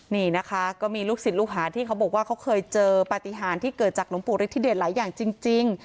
นี่นะคะก็มีลูกศิษย์ลูกหาที่เขาบอกว่าเขาเคยเจอปฏิหารที่เกิดจากหลวงปู่ฤทธิเดชหลายอย่างจริง